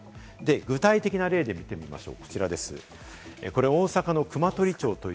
具体的な例で見てみましょう。